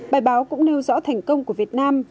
bài báo cũng nêu rõ thành công của việt nam